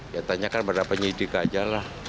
ya tanyakan berapa nyidik aja lah